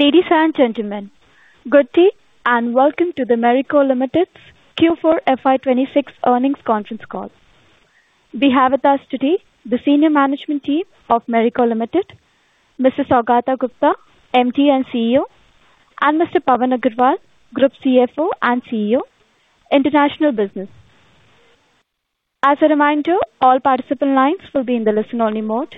Ladies and gentlemen, good day and welcome to the Marico Limited's Q4 FY 2026 earnings conference call. We have with us today the senior management team of Marico Limited, Mr. Saugata Gupta, MD and CEO, and Mr. Pawan Agrawal, Group CFO and CEO, International Business. As a reminder, all participant lines will be in the listen-only mode,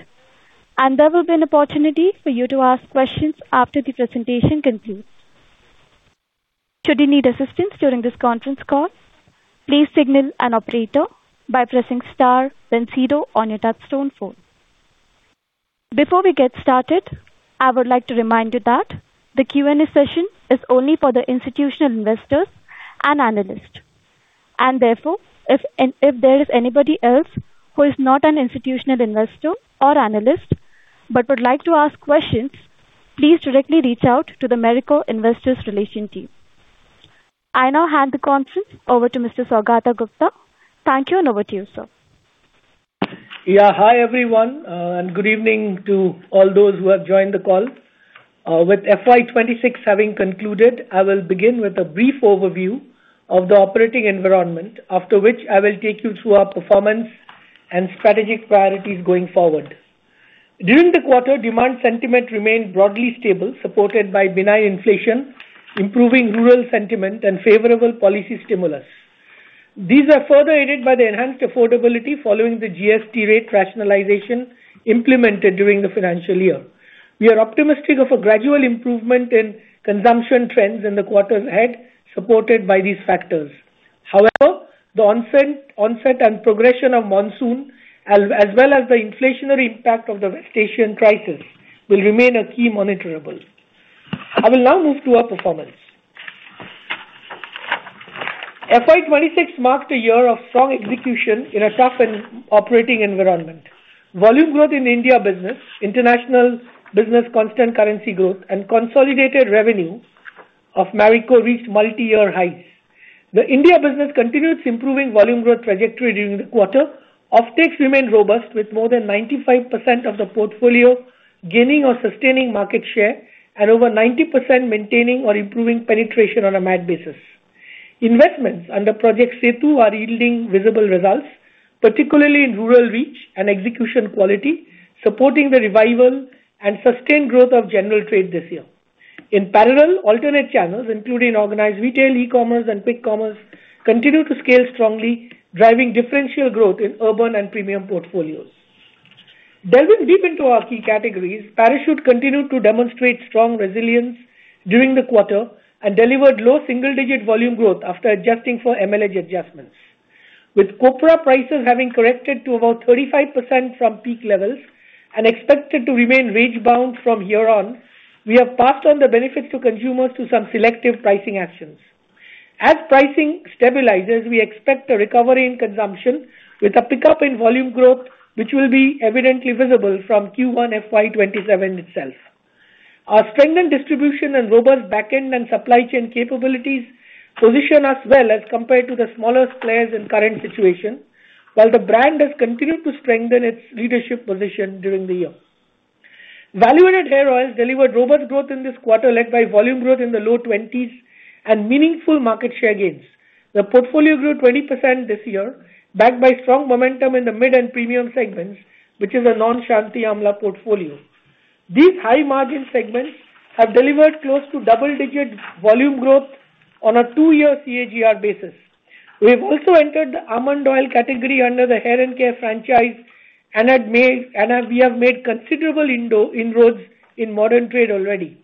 and there will be an opportunity for you to ask questions after the presentation concludes. Should you need assistance during this conference call, please signal an operator by pressing star then 0 on your touchtone phone. Before we get started, I would like to remind you that the Q&A session is only for the institutional investors and analysts. And therefore, if there is anybody else who is not an institutional investor or analyst but would like to ask questions, please directly reach out to the Marico investors relations team. I now hand the conference over to Mr. Saugata Gupta. Thank you, and over to you, sir. Yeah. Hi everyone, good evening to all those who have joined the call. With FY 2026 having concluded, I will begin with a brief overview of the operating environment, after which I will take you through our performance and strategic priorities going forward. During the quarter, demand sentiment remained broadly stable, supported by benign inflation, improving rural sentiment, and favorable policy stimulus. These are further aided by the enhanced affordability following the GST rate rationalization implemented during the financial year. We are optimistic of a gradual improvement in consumption trends in the quarters ahead, supported by these factors. However, the onset and progression of monsoon as well as the inflationary impact of the vegetation crisis will remain a key monitorable. I will now move to our performance. FY 2026 marked a year of strong execution in a tough and operating environment. Volume growth in India business, international business constant currency growth, and consolidated revenue of Marico reached multi-year highs. The India business continued its improving volume growth trajectory during the quarter. Offtakes remained robust with more than 95% of the portfolio gaining or sustaining market share and over 90% maintaining or improving penetration on a MAT basis. Investments under Project Setu are yielding visible results, particularly in rural reach and execution quality, supporting the revival and sustained growth of general trade this year. In parallel, alternate channels, including organized retail, e-commerce, and quick commerce, continue to scale strongly, driving differential growth in urban and premium portfolios. Delving deep into our key categories, Parachute continued to demonstrate strong resilience during the quarter and delivered low single digit volume growth after adjusting for ml-age adjustments. With copra prices having corrected to about 25% from peak levels and expected to remain range-bound from here on, we have passed on the benefit to consumers through some selective pricing actions. As pricing stabilizes, we expect a recovery in consumption with a pickup in volume growth, which will be evidently visible from Q1 FY 2027 itself. Our strengthened distribution and robust back end and supply chain capabilities position us well as compared to the smaller players in current situation, while the brand has continued to strengthen its leadership position during the year. Value-Added Hair Oils delivered robust growth in this quarter, led by volume growth in the low 20s and meaningful market share gains. The portfolio grew 20% this year, backed by strong momentum in the mid and premium segments, which is a non-Nihar Shanti Amla portfolio. These high-margin segments have delivered close to double-digit volume growth on a two-year CAGR basis. We have also entered the almond oil category under the Hair & Care franchise and we have made considerable inroads in modern trade already.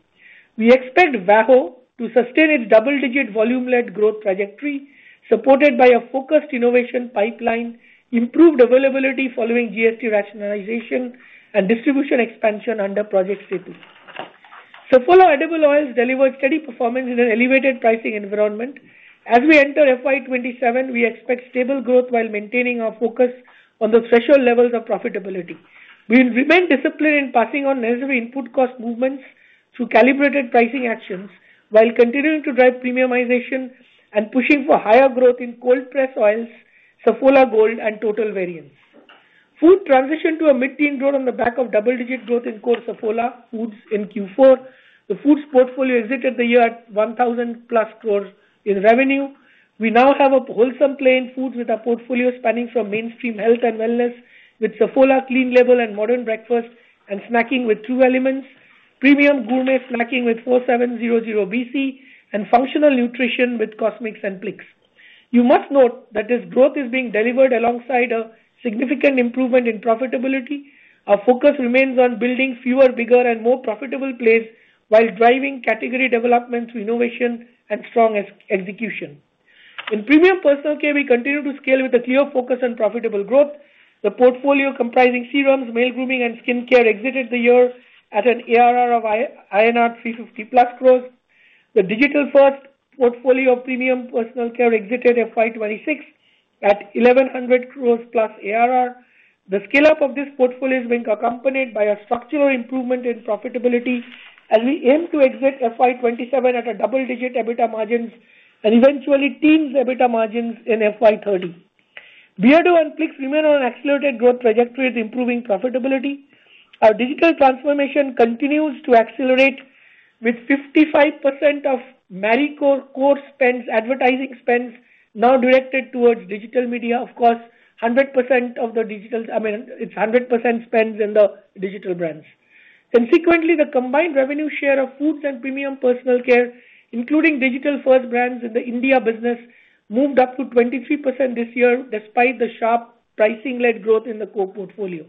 We expect VAHO to sustain its double-digit volume-led growth trajectory, supported by a focused innovation pipeline, improved availability following GST rationalization, and distribution expansion under Project Setu. Saffola edible oils delivered steady performance in an elevated pricing environment. As we enter FY 2027, we expect stable growth while maintaining our focus on the threshold levels of profitability. We will remain disciplined in passing on necessary input cost movements through calibrated pricing actions while continuing to drive premiumization and pushing for higher growth in cold press oils, Saffola Gold and Total variants. Food transitioned to a mid-teen growth on the back of double-digit growth in core Saffola Foods in Q4. The Foods portfolio exited the year at 1,000+ crores in revenue. We now have a wholesome play in Foods with our portfolio spanning from mainstream health and wellness with Saffola Clean Label and Modern Breakfast, and snacking with True Elements, premium gourmet snacking with 4700BC, and functional nutrition with Cosmix and Plix. You must note that this growth is being delivered alongside a significant improvement in profitability. Our focus remains on building fewer, bigger and more profitable plays while driving category development through innovation and strong execution. In premium personal care, we continue to scale with a clear focus on profitable growth. The portfolio comprising serums, male grooming and skincare exited the year at an ARR of INR 350+ crores. The digital-first portfolio of premium personal care exited FY 2026 at 1,100 crores plus ARR. The scale-up of this portfolio is being accompanied by a structural improvement in profitability as we aim to exit FY 2027 at a double-digit EBITDA margins and eventually teens EBITDA margins in FY 2030. Beardo] and Plix remain on an accelerated growth trajectory with improving profitability. Our digital transformation continues to accelerate with 55% of Marico core spends, advertising spends now directed towards digital media. Of course, 100% of the digital I mean, it's 100% spends in the digital brands. Consequently, the combined revenue share of foods and premium personal care, including digital-first brands in the India business, moved up to 23% this year, despite the sharp pricing-led growth in the core portfolio.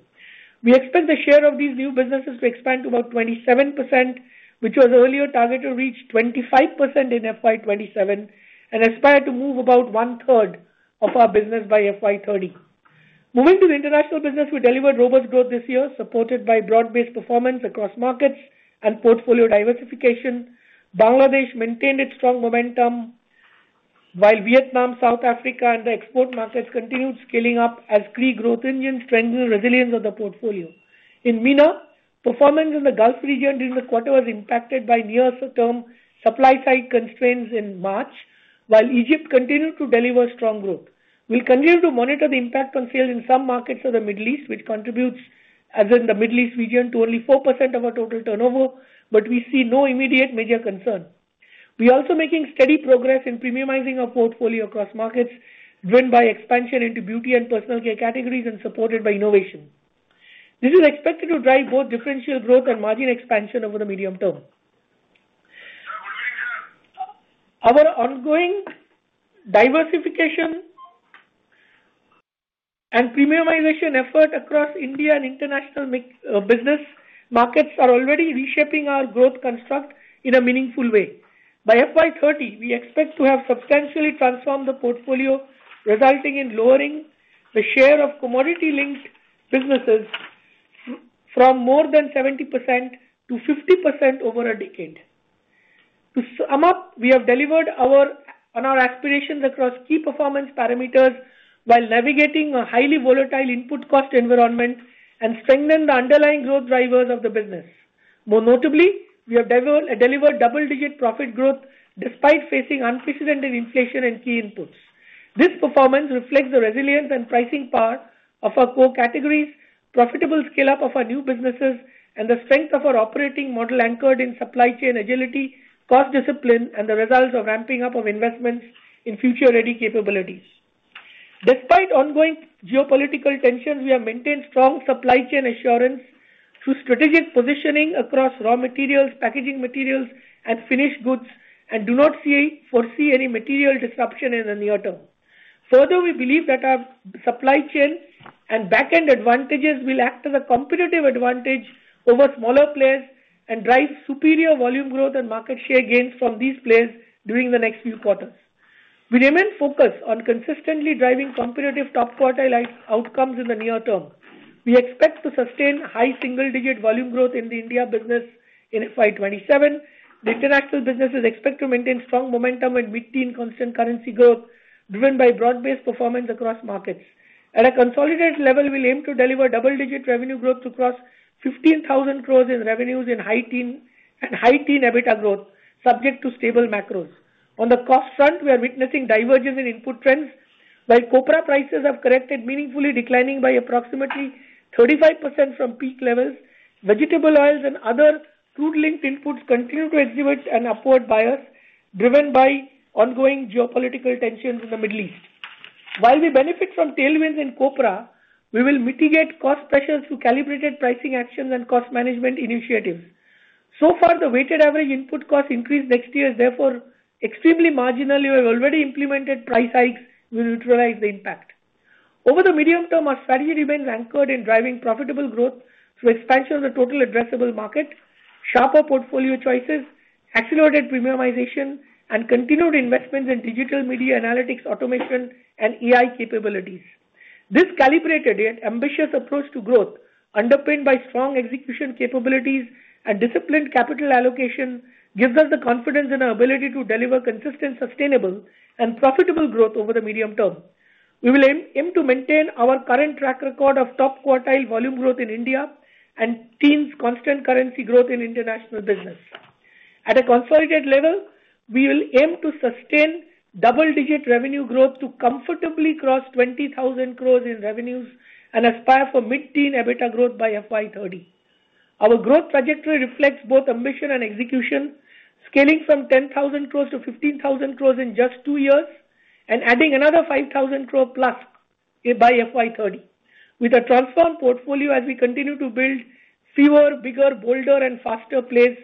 We expect the share of these new businesses to expand to about 27%, which was earlier targeted to reach 25% in FY 2027, and aspire to move about 1/3 of our business by FY 2030. Moving to the international business, we delivered robust growth this year, supported by broad-based performance across markets and portfolio diversification. Bangladesh maintained its strong momentum, while Vietnam, South Africa, and the export markets continued scaling up as key growth engines strengthen resilience of the portfolio. In MENA, performance in the Gulf region during the quarter was impacted by near-term supply-side constraints in March, while Egypt continued to deliver strong growth. We'll continue to monitor the impact on sales in some markets of the Middle East, which contributes, as in the Middle East region, to only 4% of our total turnover, but we see no immediate major concern. We are also making steady progress in premiumizing our portfolio across markets, driven by expansion into beauty and personal care categories and supported by innovation. This is expected to drive both differential growth and margin expansion over the medium term. Our ongoing diversification and premiumization effort across India and international mix, business markets are already reshaping our growth construct in a meaningful way. By FY 2030, we expect to have substantially transformed the portfolio, resulting in lowering the share of commodity-linked businesses from more than 70%-50% over a decade. To sum up, we have delivered on our aspirations across key performance parameters while navigating a highly volatile input cost environment and strengthen the underlying growth drivers of the business. More notably, we have delivered double-digit profit growth despite facing unprecedented inflation in key inputs. This performance reflects the resilience and pricing power of our core categories, profitable scale-up of our new businesses, and the strength of our operating model anchored in supply chain agility, cost discipline, and the results of ramping up of investments in future-ready capabilities. Despite ongoing geopolitical tensions, we have maintained strong supply chain assurance through strategic positioning across raw materials, packaging materials, and finished goods, and do not foresee any material disruption in the near term. We believe that our supply chain and back-end advantages will act as a competitive advantage over smaller players and drive superior volume growth and market share gains from these players during the next few quarters. We remain focused on consistently driving competitive top quartile outcomes in the near term. We expect to sustain high single digit volume growth in the India business in FY 2027. The international business is expected to maintain strong momentum and mid-teen constant currency growth driven by broad-based performance across markets. At a consolidated level, we'll aim to deliver double-digit revenue growth to cross 15,000 crores in revenues and high teen EBITDA growth subject to stable macros. On the cost front, we are witnessing divergence in input trends. While copra prices have corrected meaningfully, declining by approximately 35% from peak levels, vegetable oils and other food-linked inputs continue to exhibit an upward bias driven by ongoing geopolitical tensions in the Middle East. While we benefit from tailwinds in copra, we will mitigate cost pressures through calibrated pricing actions and cost management initiatives. Far, the weighted average input cost increase next year is therefore extremely marginal. We have already implemented price hikes. We'll neutralize the impact. Over the medium term, our strategy remains anchored in driving profitable growth through expansion of the total addressable market, sharper portfolio choices, accelerated premiumization, and continued investments in digital media analytics, automation, and AI capabilities. This calibrated yet ambitious approach to growth, underpinned by strong execution capabilities and disciplined capital allocation, gives us the confidence in our ability to deliver consistent, sustainable, and profitable growth over the medium term. We will aim to maintain our current track record of top quartile volume growth in India and teens constant currency growth in international business. At a consolidated level, we will aim to sustain double-digit revenue growth to comfortably cross 20,000 crores in revenues and aspire for mid-teen EBITDA growth by FY 2030. Our growth trajectory reflects both ambition and execution, scaling from 10,000 crore to 15,000 crore in just two years and adding another 5,000 crore+ by FY 2030. With a transformed portfolio as we continue to build fewer, bigger, bolder and faster plays,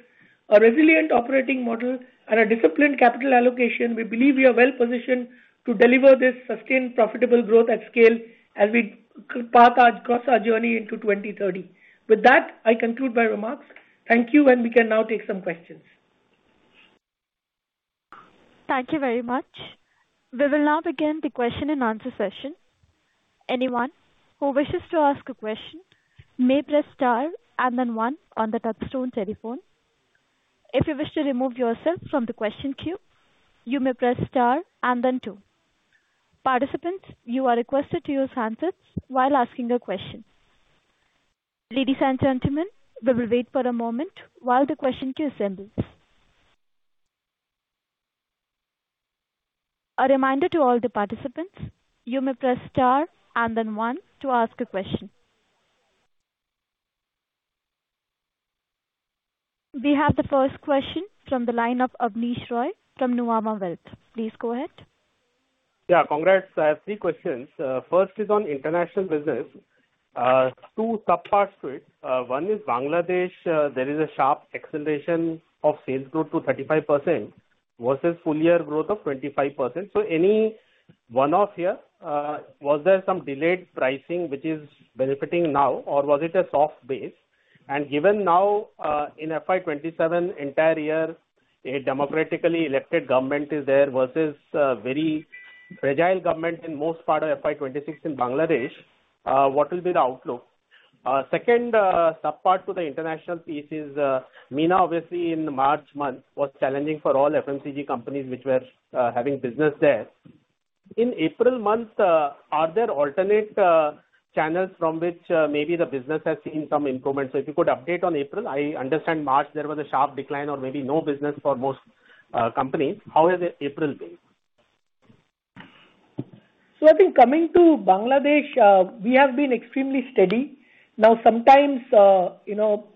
a resilient operating model and a disciplined capital allocation, we believe we are well-positioned to deliver this sustained profitable growth at scale as we cross our journey into 2030. With that, I conclude my remarks. Thank you, and we can now take some questions. Thank you very much. We will now begin the question-and-answer session. Anyone who wishes to ask a question, may press star and then one on the touchtone telephone. If you wish to remove yourself from the question queue, you may press star and then two. Participants, you are requested to use handsets while asking your question. Ladies and gentlemen, we will wait for a moment while the questions queue assembles. A reminder to all the participants, you may press star and then one to ask a question. We have the first question from the line of Abneesh Roy from Nuvama. Please go ahead. Yeah, congrats. I have three questions. First is on international business. Two sub-parts to it. One is Bangladesh. There is a sharp acceleration of sales growth to 35% versus full year growth of 25%. Any one-off year, was there some delayed pricing which is benefiting now or was it a soft base? Given now, in FY 2027 entire year, a democratically elected government is there versus very fragile government in most part of FY 2027 in Bangladesh, what will be the outlook? Second, sub-part to the international piece is MENA obviously in March month was challenging for all FMCG companies which were having business there. In April month, are there alternate channels from which maybe the business has seen some improvement? If you could update on April. I understand March there was a sharp decline or maybe no business for most companies. How has the April been? Well, I think coming to Bangladesh, we have been extremely steady. Sometimes, you know,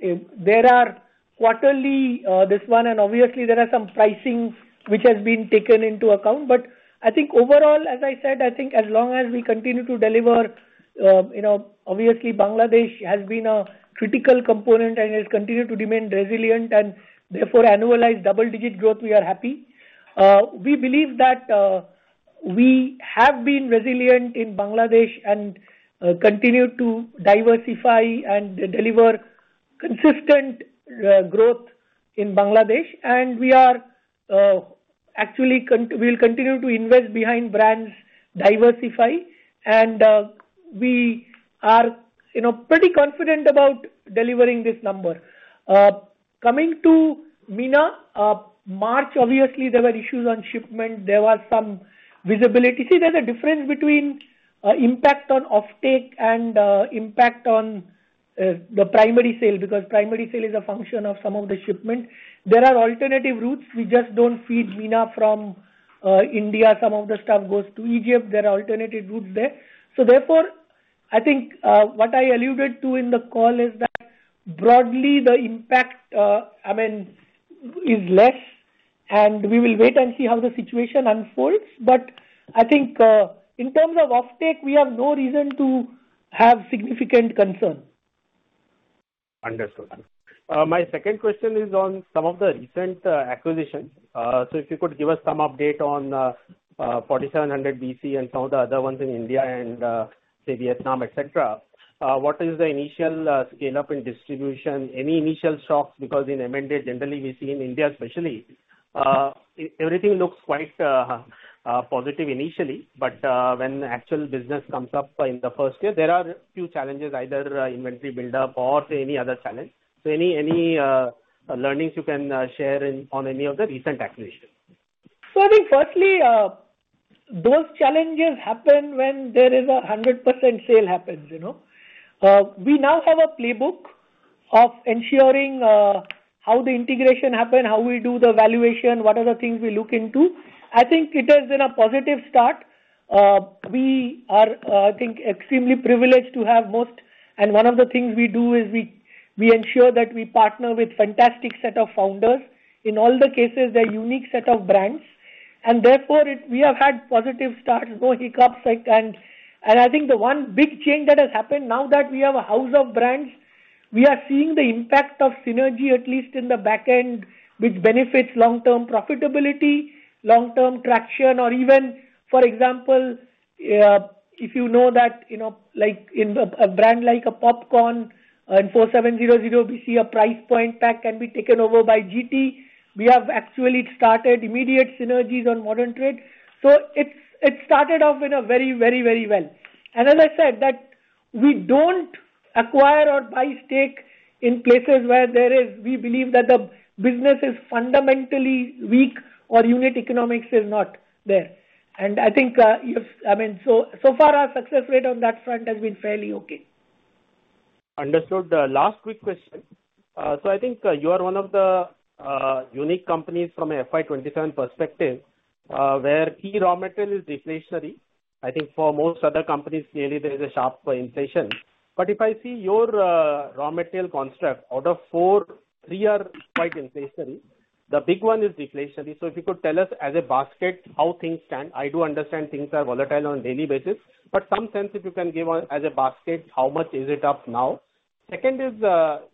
there are quarterly this one and obviously there are some pricings which has been taken into account. I think overall, as I said, I think as long as we continue to deliver, you know, obviously Bangladesh has been a critical component and has continued to remain resilient and therefore annualized double-digit growth, we are happy. We believe that we have been resilient in Bangladesh and continue to diversify and deliver consistent growth in Bangladesh. We are, actually we'll continue to invest behind brands diversify and we are, you know, pretty confident about delivering this number. Coming to MENA, March obviously there were issues on shipment. There was some visibility. There's a difference between impact on offtake and impact on the primary sale, because primary sale is a function of some of the shipment. There are alternative routes. We just don't feed MENA from India. Some of the stuff goes to Egypt. There are alternative routes there. Therefore, I think, what I alluded to in the call is that broadly the impact, I mean, is less, and we will wait and see how the situation unfolds. I think, in terms of offtake, we have no reason to have significant concern. Understood. My second question is on some of the recent acquisitions. If you could give us some update on 4700BC and some of the other ones in India and, say, Vietnam, et cetera. What is the initial scale-up in distribution? Any initial shocks? Because in M&A generally we see in India especially, everything looks quite positive initially, but when actual business comes up in the 1st year, there are a few challenges, either inventory buildup or say any other challenge. Any learnings you can share in, on any of the recent acquisitions? I think firstly, those challenges happen when there is a 100% sale, you know. We now have a playbook of ensuring how the integration happens, how we do the valuation, what are the things we look into. I think it has been a positive start. We are, I think extremely privileged, and one of the things we do is we ensure that we partner with fantastic set of founders. In all the cases, they're unique set of brands and therefore we have had positive start, no hiccups, like, and I think the one big change that has happened now that we have a house of brands, we are seeing the impact of synergy, at least in the back end, which benefits long-term profitability, long-term traction or even for example, if you know that, you know, like in the, a brand like a popcorn, in 4700BC, a price point pack can be taken over by GT. We have actually started immediate synergies on Modern Trade. It started off in a very well. As I said, that we don't acquire or buy stake in places where there is, we believe that the business is fundamentally weak or unit economics is not there. I think, you've, I mean, so far our success rate on that front has been fairly okay. Understood. Last quick question. I think you are one of the unique companies from a FY 2027 perspective, where key raw material is deflationary. I think for most other companies clearly there is a sharp inflation. If I see your raw material construct out of four, three are quite inflationary. The big one is deflationary. If you could tell us as a basket how things stand. I do understand things are volatile on a daily basis, but some sense if you can give on as a basket, how much is it up now? Second is,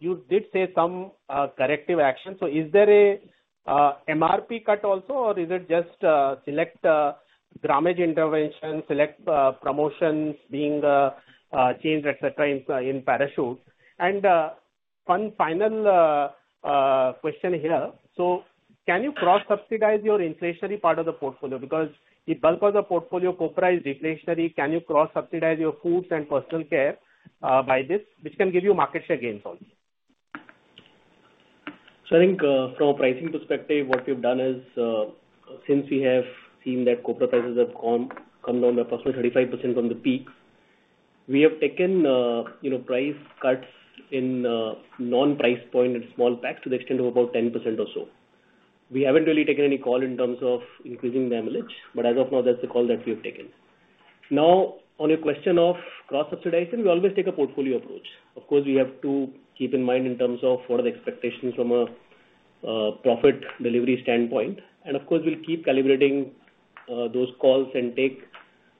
you did say some corrective action. Is there a MRP cut also, or is it just select grammage intervention, select promotions being changed, et cetera, in Parachute? One final question here. Can you cross-subsidize your inflationary part of the portfolio? Because, if bulk of the portfolio copra is deflationary, can you cross-subsidize your foods and personal care by this, which can give you market share gains also? I think, from a pricing perspective, what we've done is, since we have seen that copra prices have come down by approximately 35% from the peak. We have taken, you know, price cuts in non-price point in small packs to the extent of about 10% or so. We haven't really taken any call in terms of increasing the MLH, but as of now, that's the call that we have taken. On your question of cross-subsidization, we always take a portfolio approach. Of course, we have to keep in mind in terms of what are the expectations from a profit delivery standpoint. Of course, we'll keep calibrating those calls and take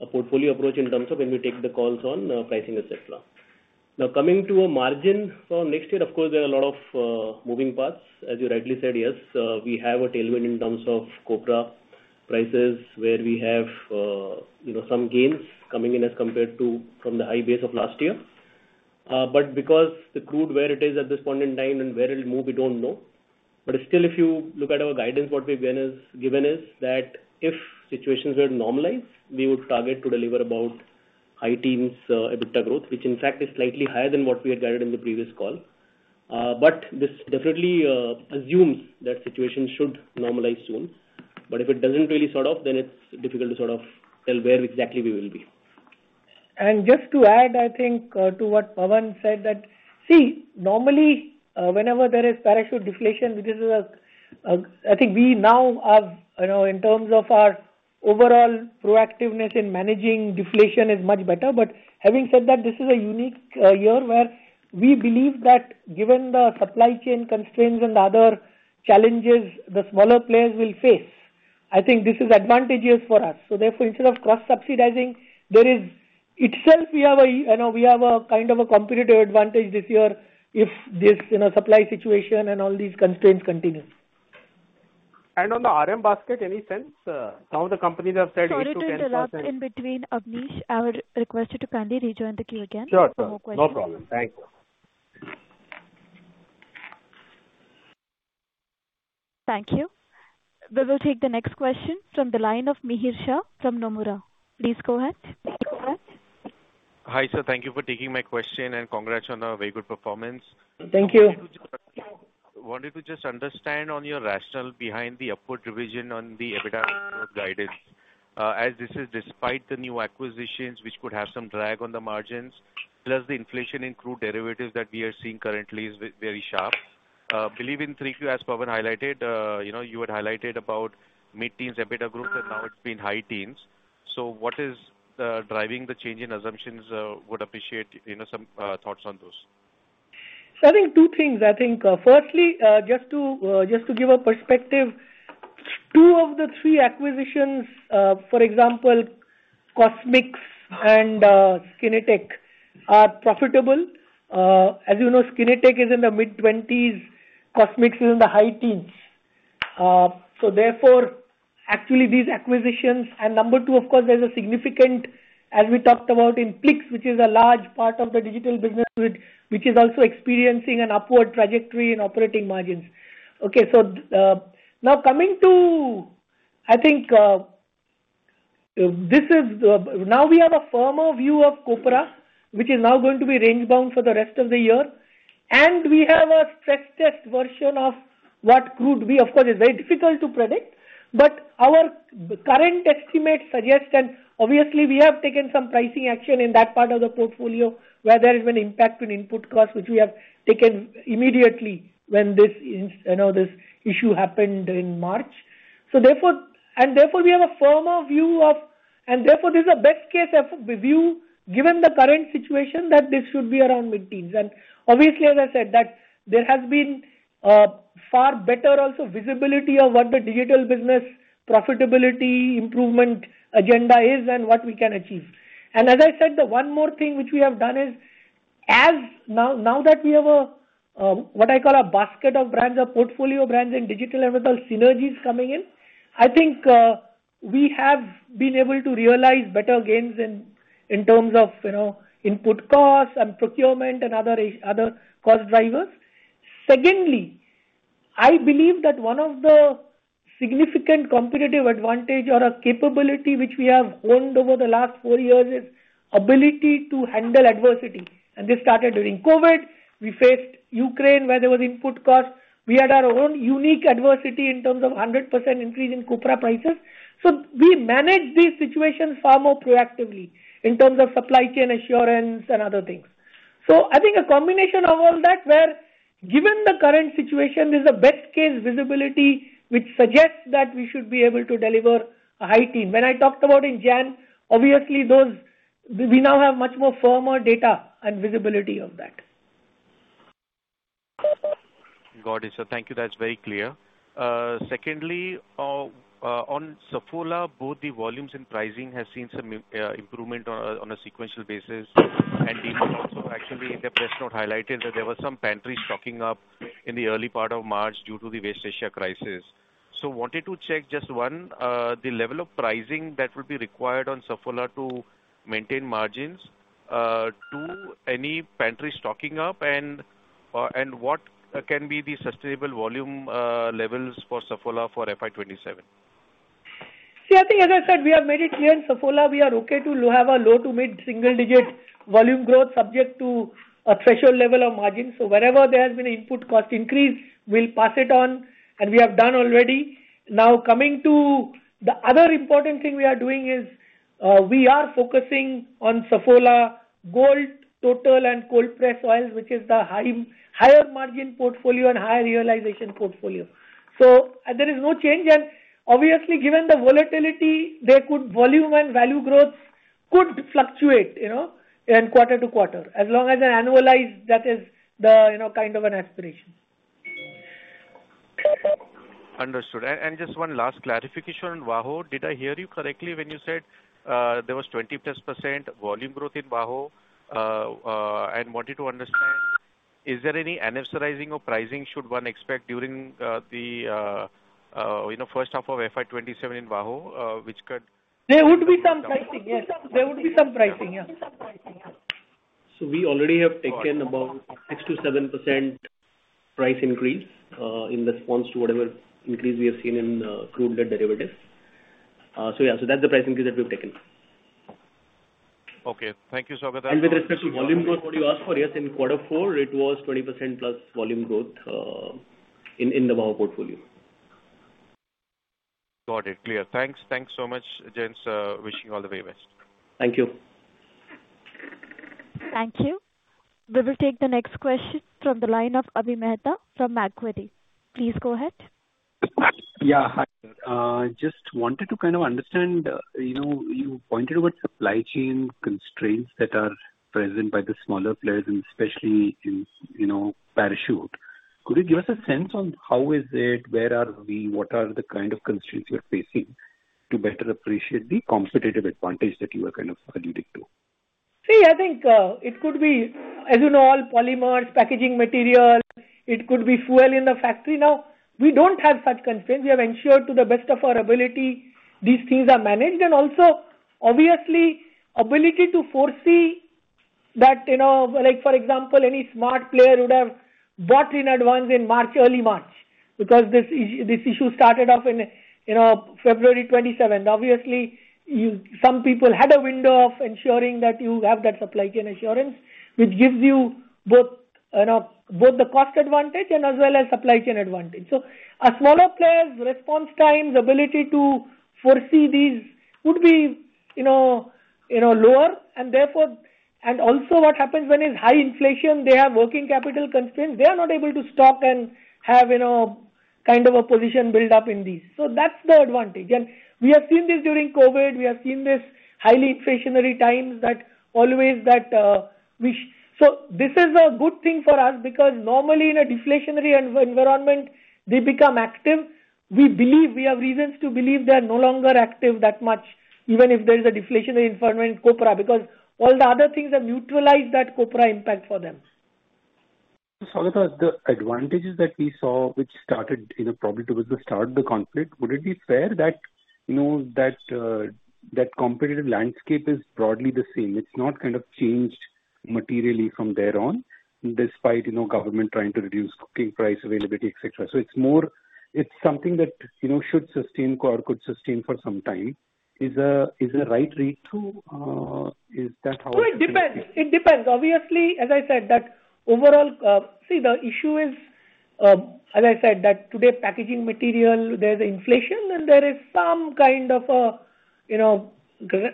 a portfolio approach in terms of when we take the calls on pricing, et cetera. Coming to a margin for next year, of course, there are a lot of moving parts. As you rightly said, yes, we have a tailwind in terms of copra prices where we have, you know, some gains coming in as compared to from the high base of last year. Because the crude where it is at this point in time and where it'll move, we don't know. Still, if you look at our guidance, what we've been given is that if situations were to normalize, we would target to deliver about high teens EBITDA growth, which in fact is slightly higher than what we had guided in the previous call. This definitely assumes that situation should normalize soon. If it doesn't really sort of, then it's difficult to sort of tell where exactly we will be. Just to add, I think, to what Pawan said that. See, normally, whenever there is Parachute deflation, which I think we now have, you know, in terms of our overall proactiveness in managing deflation is much better. Having said that, this is a unique year where we believe that given the supply chain constraints and the other challenges the smaller players will face, I think this is advantageous for us. Therefore, instead of cross-subsidizing, there is itself we have a, you know, we have a kind of a competitive advantage this year if this, you know, supply situation and all these constraints continue. On the RM basket, any sense, some of the companies have said 8%-10%? Sorry to interrupt in between, Abneesh. I would request you to kindly rejoin the queue again for more questions. Sure, sure. No problem. Thank you. Thank you. We will take the next question from the line of Mihir Shah from Nomura. Please go ahead. Hi, sir. Thank you for taking my question and congrats on a very good performance. Thank you. Wanted to just understand on your rationale behind the upward revision on the EBITDA guidance, as this is despite the new acquisitions which could have some drag on the margins, plus the inflation in crude derivatives that we are seeing currently is very sharp. Believe in as Pawan highlighted, you know, you had highlighted about mid-teens EBITDA growth and now it's been high teens. What is driving the change in assumptions? Would appreciate, you know, some thoughts on those. I think two things. I think firstly, just to give a perspective, two of the three acquisitions, for example, Cosmix and Skinetiq are profitable. As you know, Skinetiq is in the mid-twenties, Cosmix is in the high teens. Therefore, actually these acquisitions and number two, of course, there's a significant, as we talked about in Plix, which is a large part of the digital business, which is also experiencing an upward trajectory in operating margins. Now coming to, I think, now we have a firmer view of copra, which is now going to be range bound for the rest of the year. We have a stress test version of what crude will be. Of course, it's very difficult to predict. Our current estimate suggests and obviously we have taken some pricing action in that part of the portfolio where there has been impact on input costs, which we have taken immediately when this, you know, this issue happened in March. Therefore, this is the best case of view, given the current situation, that this should be around mid-teens. Obviously, as I said, that there has been far better also visibility of what the digital business profitability improvement agenda is and what we can achieve. As I said, the one more thing which we have done is as now that we have a, what I call a basket of brands or portfolio brands in digital and with all synergies coming in, I think, we have been able to realize better gains in terms of, you know, input costs and procurement and other cost drivers. Secondly, I believe that one of the significant competitive advantage or a capability which we have honed over the last four years is ability to handle adversity. This started during COVID. We faced Ukraine, where there was input costs. We had our own unique adversity in terms of 100% increase in copra prices. We manage these situations far more proactively in terms of supply chain assurance and other things. I think a combination of all that where given the current situation, this is the best case visibility which suggests that we should be able to deliver a high teen. When I talked about in January, obviously those, we now have much more firmer data and visibility of that. Got it, sir. Thank you. That's very clear. secondly, on Saffola, both the volumes and pricing has seen some improvement on a sequential basis. The management also actually in the press note highlighted that there was some pantry stocking up in the early part of March due to the West Asia crisis. wanted to check just one, the level of pricing that will be required on Saffola to maintain margins. Two, any pantry stocking up and what can be the sustainable volume levels for Saffola for FY 2027? See, I think as I said, we have made it clear in Saffola we are okay to have a low to mid single digit volume growth subject to a threshold level of margin. Wherever there has been input cost increase, we'll pass it on. We have done already. Now coming to the other important thing we are doing is, we are focusing on Saffola Gold total and cold press oils, which is the higher margin portfolio and higher realization portfolio. There is no change and obviously given the volatility there could volume and value growth could fluctuate, you know, in quarter-to-quarter. As long as an annualized, that is the, you know, kind of an aspiration. Understood. Just one last clarification on VAHO. Did I hear you correctly when you said there was 20+% volume growth in VAHO? wanted to understand, is there any annualizing or pricing should one expect during, you know, the first half of FY 2027 in VAHO? There would be some pricing, yes. We already have taken about extra 7% price increase, in response to whatever increase we have seen in crude derivatives. Yeah, so that's the price increase that we've taken. Okay. Thank you, Saugata. With respect to volume growth, what you asked for, yes, in quarter four it was 20%+ volume growth, in the VAHO portfolio. Got it. Clear. Thanks. Thanks so much, gents. Wishing you all the very best. Thank you. Thank you. We will take the next question from the line of Abhijit Mehta from Macquarie. Please go ahead. Hi. Just wanted to kind of understand, you know, you pointed about supply chain constraints that are present by the smaller players and especially in, you know, Parachute. Could you give us a sense on how is it? Where are we? What are the kind of constraints you are facing to better appreciate the competitive advantage that you are kind of alluding to? See, I think, it could be, as you know, all polymers, packaging materials. It could be fuel in the factory. We don't have such constraints. We have ensured to the best of our ability these things are managed. Also obviously ability to foresee that, you know, like for example, any smart player would have bought in advance in March, early March, because this issue started off in, you know, February 27th. Obviously, some people had a window of ensuring that you have that supply chain assurance, which gives you both, you know, both the cost advantage and as well as supply chain advantage. A smaller player's response times ability to foresee these would be, you know, lower and therefore also what happens when it's high inflation, they have working capital constraints. They are not able to stock and have, you know, kind of a position built up in these. That's the advantage. We have seen this during COVID. We have seen this highly inflationary times that always that, this is a good thing for us because normally in a deflationary environment they become active. We believe we have reasons to believe they are no longer active that much even if there is a deflationary environment in copra because all the other things have neutralized that copra impact for them. Saugata, the advantages that we saw which started, you know, probably towards the start of the conflict, would it be fair that, you know, that competitive landscape is broadly the same? It's not kind of changed materially from there on despite, you know, government trying to reduce cooking price availability, et cetera. It's more, it's something that, you know, should sustain or could sustain for some time. Is the right read? It depends. It depends. Obviously, as I said that overall, see the issue is, as I said that today packaging material there's inflation and there is some kind of a, you know,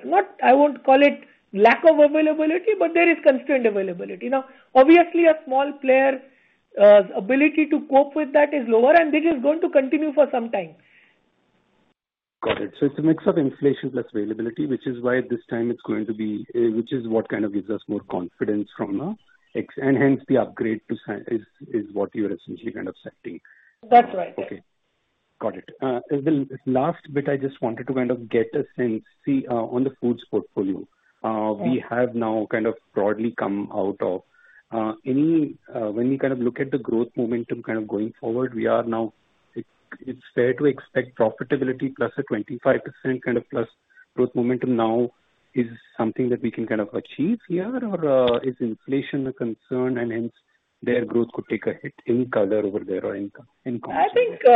not I won't call it lack of availability but there is constrained availability. Obviously a small player, ability to cope with that is lower and this is going to continue for some time. Got it. It's a mix of inflation plus availability which is why this time it's going to be, which is what kind of gives us more confidence from now ex- and hence the upgrade to si- is what you're essentially kind of saying. That's right. Yes. Okay. Got it. The last bit I just wanted to kind of get a sense, see, on the foods portfolio. Yeah. we have now kind of broadly come out of any, when we kind of look at the growth momentum kind of going forward it's fair to expect profitability plus a 25% kind of plus growth momentum now is something that we can kind of achieve here or, is inflation a concern and hence their growth could take a hit in color over there or in consumption there? I think,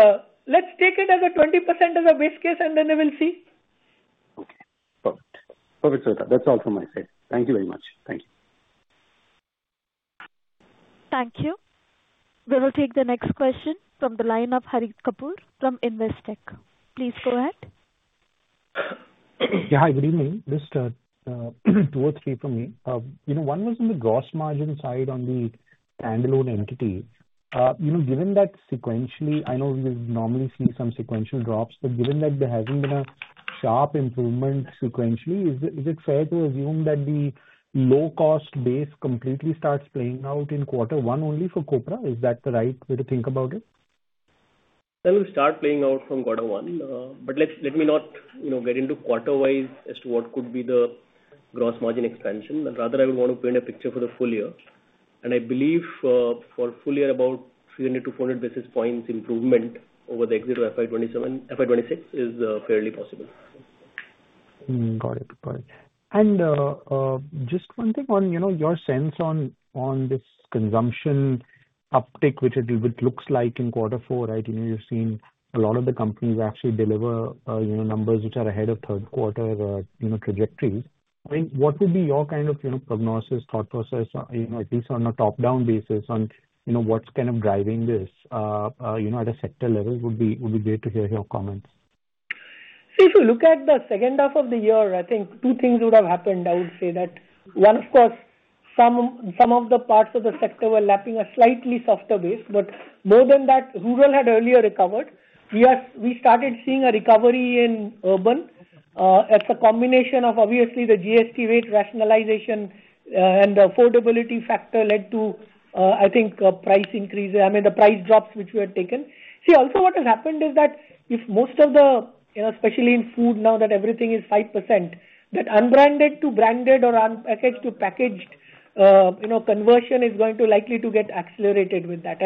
let's take it as a 20% as a base case. Then we will see. Okay. Perfect. Perfect, Saugata. That's all from my side. Thank you very much. Thank you. Thank you. We will take the next question from the line of Harit Kapoor from Investec. Please go ahead. Hi, good evening. Just two or three from me. You know, one was on the Gross Margin side on the standalone entity. You know, given that sequentially I know we would normally see some sequential drops, but given that there hasn't been a sharp improvement sequentially, is it fair to assume that the low cost base completely starts playing out in quarter one only for copra? Is that the right way to think about it? That will start playing out from quarter one. Let me not, you know, get into quarter-wise as to what could be the gross margin expansion but rather I would want to paint a picture for the full year. I believe, for full year about 300 to 400 basis points improvement over the exit of FY 2027, FY 2026 is, fairly possible. Got it. Got it. Just one thing on, you know, your sense on this consumption uptick which it looks like in quarter four, right? You know, you've seen a lot of the companies actually deliver, you know, numbers which are ahead of third quarter, you know, trajectories. I mean, what would be your kind of, you know, prognosis thought process, you know, at least on a top-down basis on, you know, what's kind of driving this, you know, at a sector level would be great to hear your comments. If you look at the second half of the year, I think two things would have happened. I would say that one, of course, some of the parts of the sector were lapping a slightly softer base, but more than that, rural had earlier recovered. We started seeing a recovery in urban, as a combination of obviously the GST rate rationalization, and the affordability factor led to, I think, price increase. I mean, the price drops which were taken. Also what has happened is that if most of the, you know, especially in food now that everything is 5%, that unbranded to branded or unpackaged to packaged, you know, conversion is going to likely to get accelerated with that.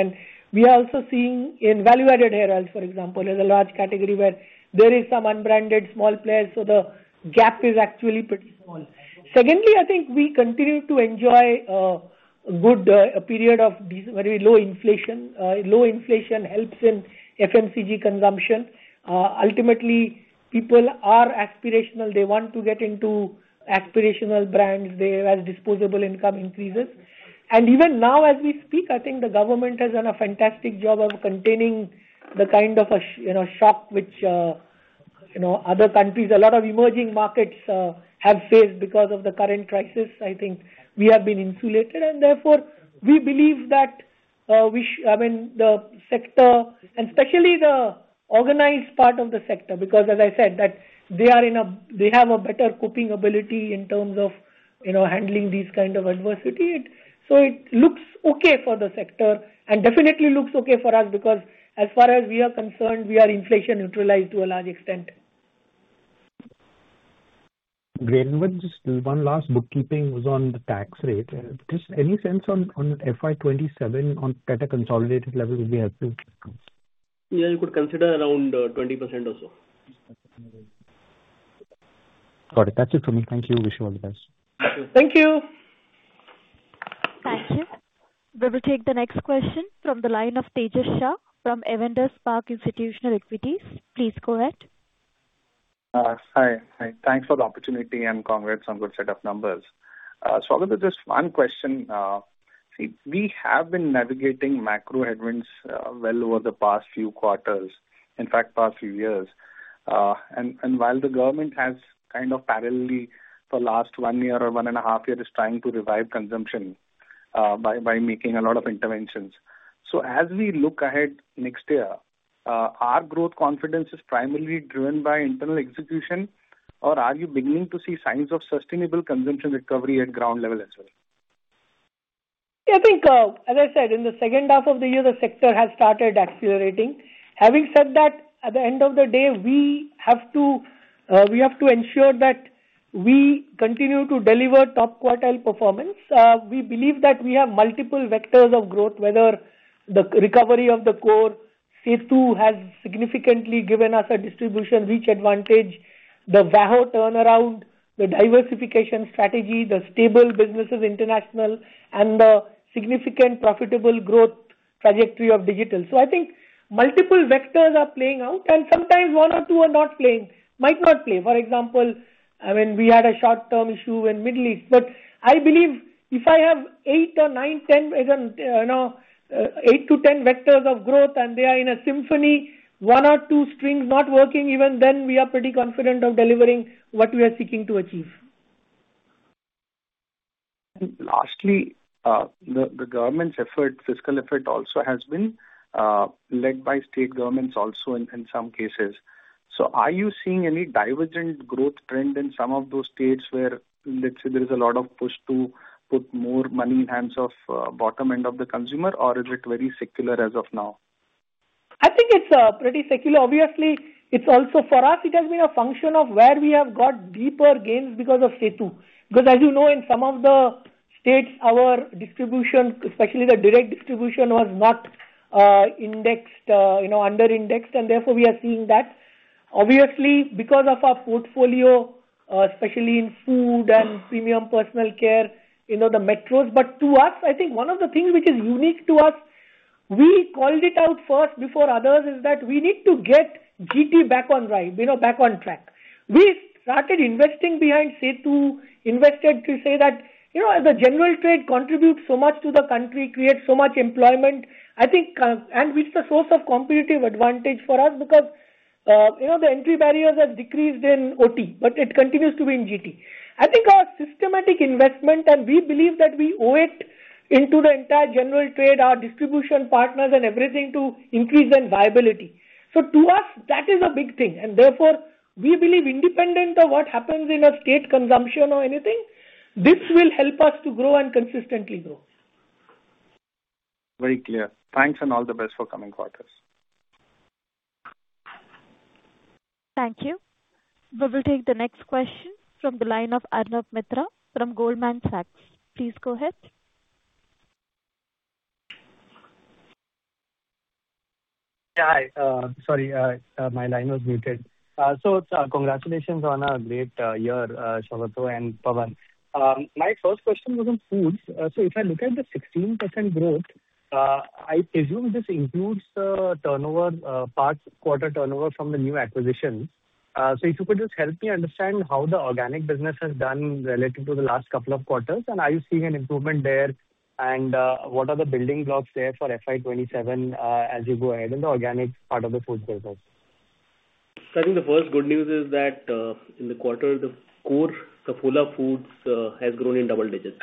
We are also seeing in Value Added Hair Oil, for example, as a large category where there is some unbranded small players, so the gap is actually pretty small. Secondly, I think we continue to enjoy good period of these very low inflation. Low inflation helps in FMCG consumption. Ultimately, people are aspirational. They want to get into aspirational brands there as disposable income increases. Even now as we speak, I think the government has done a fantastic job of containing the kind of a you know, shock, which you know, other countries, a lot of emerging markets have faced because of the current crisis. I think we have been insulated and therefore we believe that, I mean, the sector and especially the organized part of the sector, because as I said that they have a better coping ability in terms of, you know, handling these kind of adversity. It looks okay for the sector and definitely looks okay for us because as far as we are concerned, we are inflation neutralized to a large extent. Great. Just one last bookkeeping was on the tax rate. Just any sense on FY 2027 on better consolidated level would be helpful. Yeah, you could consider around 20% or so. Got it. That's it from me. Thank you. Wish you all the best. Thank you. Thank you. We will take the next question from the line of Tejas Shah from Edelweiss Institutional Equities. Please go ahead. Hi. Hi. Thanks for the opportunity and congrats on good set of numbers. I will begin with just one question. See, we have been navigating macro headwinds well over the past few quarters, in fact past few years. While the government has kind of parallelly for last one year or one and a half year is trying to revive consumption by making a lot of interventions. As we look ahead next year, are growth confidence is primarily driven by internal execution? Or are you beginning to see signs of sustainable consumption recovery at ground level as well? I think, as I said, in the second half of the year, the sector has started accelerating. Having said that, at the end of the day, we have to, we have to ensure that we continue to deliver top quartile performance. We believe that we have multiple vectors of growth, whether the recovery of the core, Setu has significantly given us a distribution reach advantage. The VAHO turnaround, the diversification strategy, the stable businesses international, and the significant profitable growth trajectory of digital. I think multiple vectors are playing out, and sometimes one or two are not playing, might not play. For example, I mean, we had a short-term issue in Middle East. I believe if I have, you know, eight to 10 vectors of growth and they are in a symphony, one or two strings not working, even then we are pretty confident of delivering what we are seeking to achieve. Lastly, the government's effort, fiscal effort also has been led by state governments also in some cases. Are you seeing any divergent growth trend in some of those states where, let's say there is a lot of push to put more money in hands of, bottom end of the consumer, or is it very secular as of now? I think it's pretty secular. Obviously, it's also for us, it has been a function of where we have got deeper gains because of Setu. As you know, in some of the states, our distribution, especially the direct distribution, was not indexed, you know, under indexed, and therefore we are seeing that. Obviously, because of our portfolio, especially in food and premium personal care, you know, the metros. To us, I think one of the things which is unique to us, we called it out first before others, is that we need to get GT back on right, you know, back on track. We started investing behind Setu, invested to say that, you know, as the general trade contributes so much to the country, creates so much employment, I think, and which the source of competitive advantage for us because, you know, the entry barriers have decreased in MT, but it continues to be in GT. I think our systematic investment, and we believe that we owe it into the entire general trade, our distribution partners and everything to increase their viability. To us, that is a big thing. Therefore, we believe independent of what happens in a state consumption or anything, this will help us to grow and consistently grow. Very clear. Thanks. All the best for coming quarters. Thank you. We will take the next question from the line of Arnab Mitra from Goldman Sachs. Please go ahead. Hi. Sorry, my line was muted. Congratulations on a great year, Saugata and Pawan. My first question was on foods. If I look at the 16% growth, I assume this includes the turnover, parts quarter turnover from the new acquisitions. If you could just help me understand how the organic business has done relative to the last couple of quarters, and are you seeing an improvement there? What are the building blocks there for FY 2027, as you go ahead in the organic part of the foods business? I think the first good news is that in the quarter, the core Saffola Foods has grown in double digits.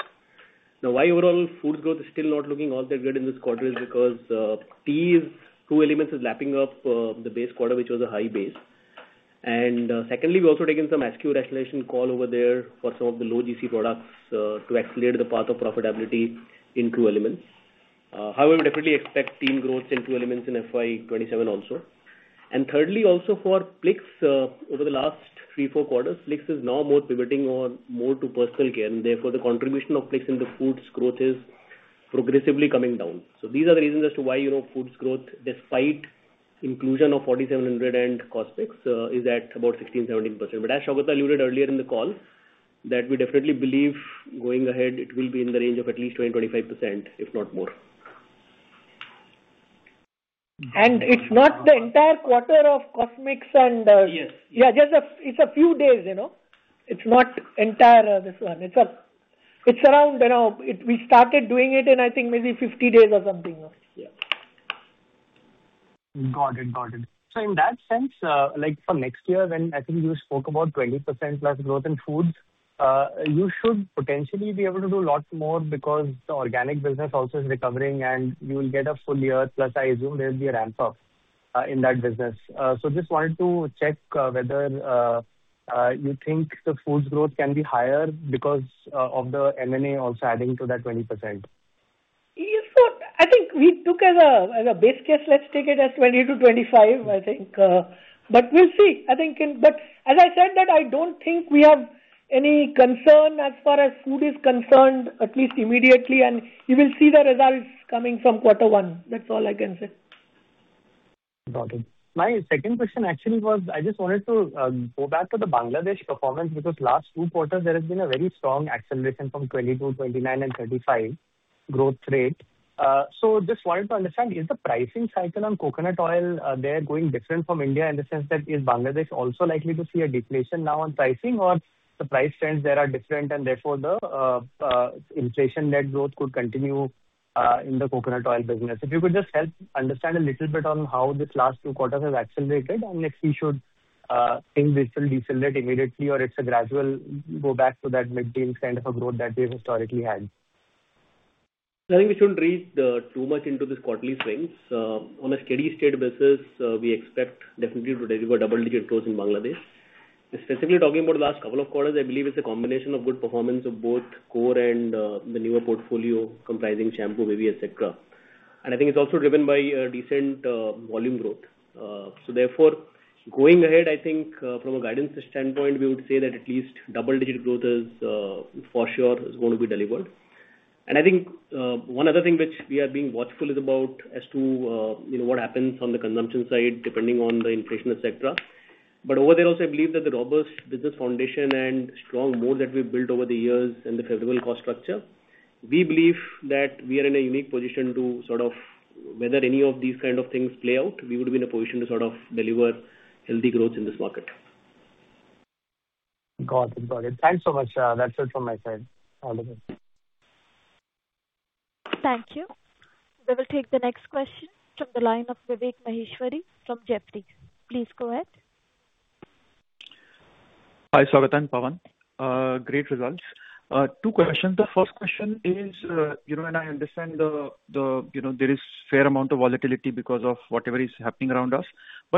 Now, why overall foods growth is still not looking all that good in this quarter is because True Elements is lapping up the base quarter, which was a high base. Secondly, we've also taken some SKU rationalization call over there for some of the low GT products to accelerate the path of profitability in True Elements. However, we definitely expect team growth in True Elements in FY 2027 also. Thirdly, also for Plix, over the last three, four quarters, Plix is now more pivoting on more to personal care, and therefore, the contribution of Plix into foods growth is progressively coming down. These are the reasons as to why, you know, foods growth despite inclusion of 4700BC and Cosmix, is at about 16%-17%. As Saugata alluded earlier in the call, that we definitely believe going ahead it will be in the range of at least 20%-25%, if not more. It's not the entire quarter of Cosmix and, Yes. Yeah, It's a few days, you know. It's not entire this one. It's around, you know, We started doing it in, I think, maybe 50 days or something. Yeah. Got it. Got it. In that sense, like for next year when I think you spoke about 20% plus growth in foods, you should potentially be able to do lots more because the organic business also is recovering, and you will get a full year, plus I assume there will be a ramp up in that business. Just wanted to check whether you think the foods growth can be higher because of the M&A also adding to that 20%. Yeah. I think we took as a base case, let's take it as 20%-25%, I think. We'll see. As I said that, I don't think we have any concern as far as food is concerned, at least immediately, and you will see the results coming from quarter one. That's all I can say. Got it. My second question actually was, I just wanted to go back to the Bangladesh performance, because last two quarters there has been a very strong acceleration from 22%, 29% and 35% growth rate. Just wanted to understand, is the pricing cycle on coconut oil there going different from India in the sense that is Bangladesh also likely to see a deflation now on pricing or the price trends there are different and therefore the inflation-led growth could continue in the coconut oil business? If you could just help understand a little bit on how this last two quarters has accelerated, if we should think this will decelerate immediately or it's a gradual go back to that mid-teen kind of a growth that we've historically had. I think we shouldn't read, too much into this quarterly swings. On a steady-state basis, we expect definitely to deliver double-digit growth in Bangladesh. Specifically talking about the last couple of quarters, I believe it's a combination of good performance of both core and the newer portfolio comprising Shampoo, Baby, et cetera. I think it's also driven by decent volume growth. Therefore, going ahead, I think, from a guidance standpoint, we would say that at least double-digit growth is for sure is gonna be delivered. I think, one other thing which we are being watchful is about as to, you know, what happens on the consumption side, depending on the inflation, et cetera. Over there also, I believe that the robust business foundation and strong moat that we've built over the years and the favorable cost structure, we believe that we are in a unique position to sort of whether any of these kind of things play out, we would be in a position to sort of deliver healthy growth in this market. Got it. Got it. Thanks so much. That's it from my side. All the best. Thank you. We will take the next question from the line of Vivek Maheshwari from Jefferies. Please go ahead. Hi, Saugata and Pawan. Great results. Two questions. The first question is, and I understand there is fair amount of volatility because of whatever is happening around us.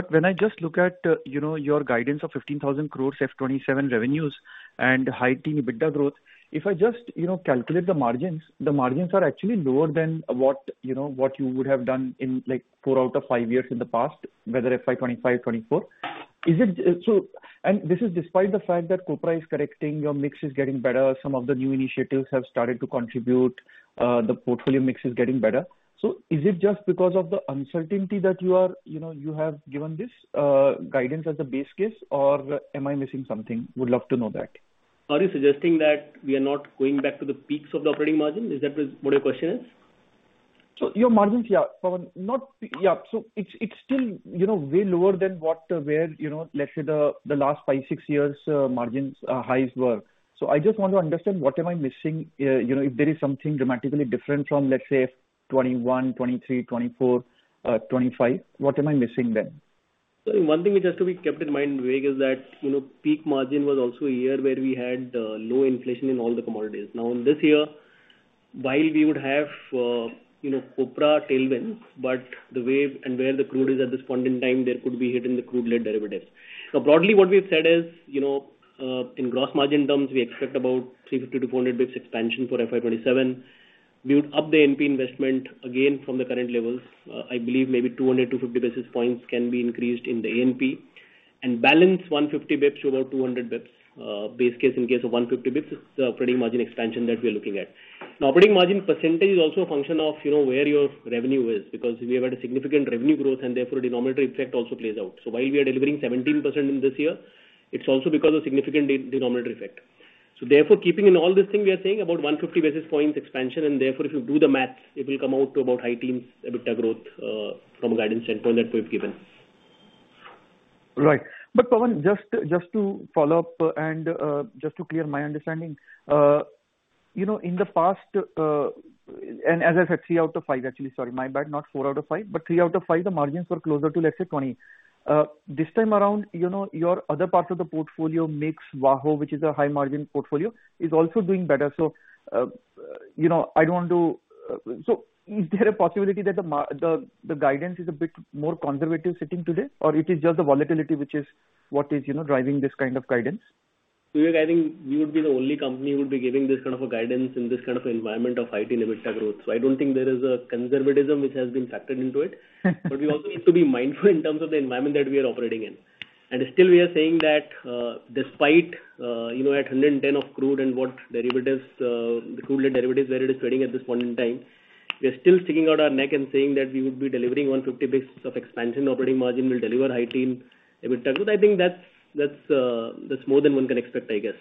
When I just look at your guidance of 15,000 crore FY 2027 revenues and high teen EBITDA growth, if I just calculate the margins, the margins are actually lower than what you would have done in like four out of five years in the past, whether FY 2025, FY 2024. This is despite the fact that copra is correcting, your mix is getting better, some of the new initiatives have started to contribute, the portfolio mix is getting better. Is it just because of the uncertainty that you are, you know, you have given this guidance as a base case or am I missing something? Would love to know that. Are you suggesting that we are not going back to the peaks of the operating margin? Is that what your question is? Your margins, yeah, Pawan. Yeah. It's still, you know, way lower than what, where, you know, let's say the last five, six years, margins highs were. I just want to understand what am I missing, you know, if there is something dramatically different from, let's say, FY 2021, 2023, 2024, 2025, what am I missing then? One thing which has to be kept in mind, Vivek, is that, you know, peak margin was also a year where we had low inflation in all the commodities. In this year, while we would have, you know, copra tailwind, but the way and where the crude is at this point in time, there could be hit in the crude-led derivatives. Broadly what we've said is, you know, in gross margin terms, we expect about 350-400 basis points expansion for FY 2027. We would up the A&P investment again from the current levels. I believe maybe 200-250 basis points can be increased in the A&P. Balance 150 basis points to about 200 basis points, base case in case of 150 basis points is the operating margin expansion that we're looking at. Now, operating margin percentage is also a function of, you know, where your revenue is, because we have had a significant revenue growth and therefore a denominator effect also plays out. While we are delivering 17% in this year, it's also because of significant de-denominator effect. So therefore, keeping in all this thing, we are saying about 150 basis points expansion, and therefore, if you do the math, it will come out to about high teens EBITDA growth from a guidance standpoint that we've given. Right. But Pawan, just to follow up and just to clear my understanding. You know, in the past, and as I said, three out of five, actually, sorry, my bad, not four out of five. Three out of five, the margins were closer to, let's say, 20%. This time around, you know, your other parts of the portfolio mix, VAHO, which is a high margin portfolio, is also doing better. You know, is there a possibility that the guidance is a bit more conservative sitting today, or it is just the volatility, which is what is, you know, driving this kind of guidance? I think we would be the only company who would be giving this kind of a guidance in this kind of environment of high-teen EBITDA growth. I don't think there is a conservatism which has been factored into it. We also need to be mindful in terms of the environment that we are operating in. Still we are saying that, despite, you know, at 110 of crude and what derivatives, the crude and derivatives where it is trading at this point in time, we are still sticking out our neck and saying that we would be delivering 150 basis of expansion operating margin. We'll deliver high-teen EBITDA growth. I think that's more than one can expect, I guess.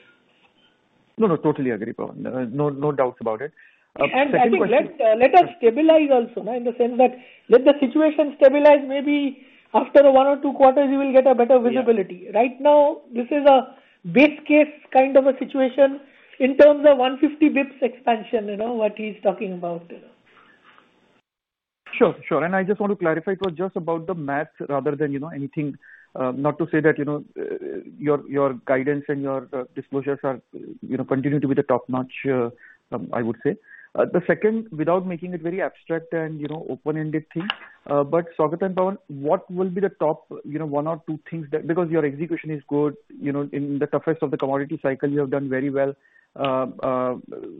No, no, totally agree, Pawan. No, no doubts about it. Second question. I think let us stabilize also, right? In the sense that let the situation stabilize. Maybe after one or two quarters you will get a better visibility. Yeah. Right now, this is a base case kind of a situation in terms of 150 basis points expansion, you know, what he's talking about, you know. Sure, sure. I just want to clarify, it was just about the math rather than, you know, anything, not to say that, you know, your guidance and your disclosures are, you know, continue to be the top-notch, I would say. The second, without making it very abstract and, you know, open-ended thing, but Saugata and Pawan, what will be the top, you know, one or two things that, because your execution is good, you know, in the toughest of the commodity cycle, you have done very well.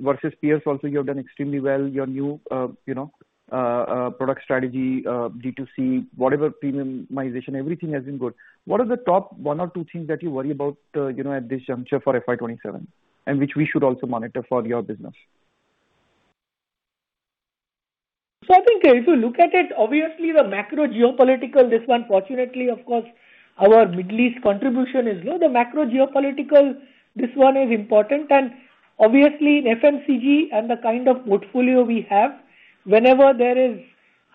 Versus peers also, you have done extremely well. Your new, you know, product strategy, D2C, whatever premiumization, everything has been good. What are the top one or two things that you worry about, you know, at this juncture for FY 2027, and which we should also monitor for your business? I think if you look at it, obviously the macro geopolitical, this one fortunately, of course, our Middle East contribution is low. The macro geopolitical, this one is important. Obviously in FMCG and the kind of portfolio we have, whenever there is,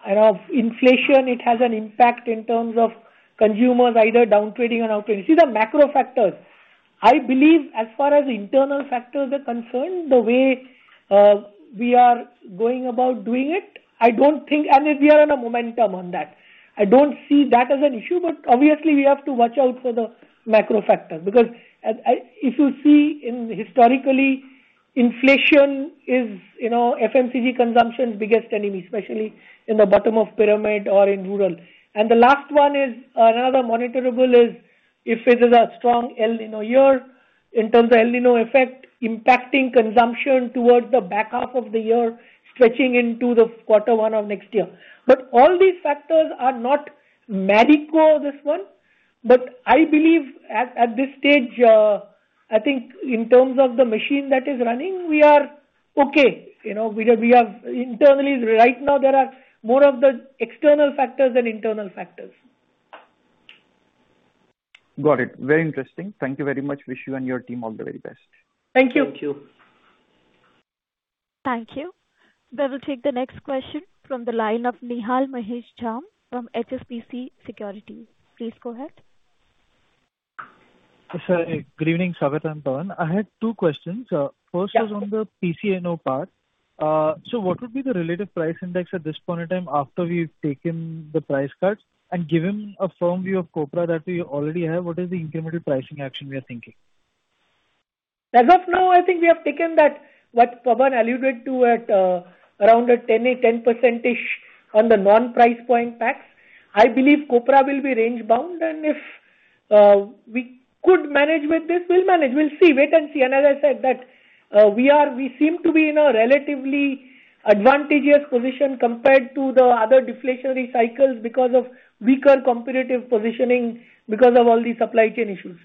you know, inflation, it has an impact in terms of consumers either downtrading or upgrading. These are macro factors. I believe as far as internal factors are concerned, the way we are going about doing it, I don't think I mean, we are on a momentum on that. I don't see that as an issue, but obviously we have to watch out for the macro factors. If you see in historically, inflation is, you know, FMCG consumption's biggest enemy, especially in the bottom of pyramid or in rural. The last one is another monitorable is if it is a strong El Niño year in terms of El Niño effect impacting consumption towards the back half of the year, stretching into the quarter one of next year. All these factors are not material, this one. I believe at this stage, I think in terms of the machine that is running, we are okay. You know, we have Internally right now there are more of the external factors than internal factors. Got it. Very interesting. Thank you very much. Wish you and your team all the very best. Thank you. Thank you. Thank you. We will take the next question from the line of Nihal Mahesh Jham from HSBC Securities. Please go ahead. Sir, good evening, Saugata and Pawan. I had two questions. Yeah. First was on the PCNO part. What would be the relative price index at this point in time after we've taken the price cuts? Given a firm view of copra that we already have, what is the incremental pricing action we are thinking? As of now, I think we have taken that, what Pawan alluded to at around a 10, a 10%-ish on the non-price point packs. I believe copra will be range bound, and if we could manage with this, we'll manage. We'll see. Wait and see. As I said that, we seem to be in a relatively advantageous position compared to the other deflationary cycles because of weaker competitive positioning because of all these supply chain issues.